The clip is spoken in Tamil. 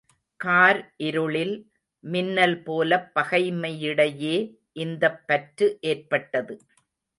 கார் இருளில் மின்னல்போலப் பகைமையிடையே இந்தப் பற்று ஏற்பட்டது.